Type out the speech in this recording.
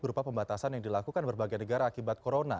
berupa pembatasan yang dilakukan berbagai negara akibat corona